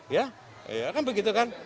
ya kan begitu kan